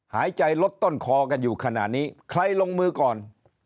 หายใจลดต้นคอกันอยู่ขนาดนี้ใครลงมือก่อน